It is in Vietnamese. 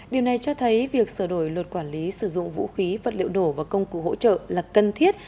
điều này cho thấy việc sửa đổi luật quản lý sử dụng vũ khí vật liệu nổ và công cụ hỗ trợ là cần thiết